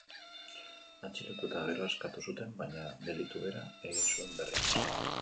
Atxilotu eta gero, askatu zuten, baina delitu bera egin zuen berriz.